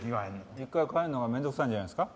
一回帰るのが面倒くさいんじゃないですか？